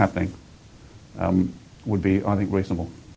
akan menjadi saya pikir beresonan